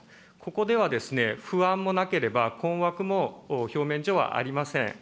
ここでは、不安もなければ、困惑も表面上はありません。